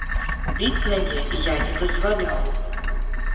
Біць мяне я не дазваляў.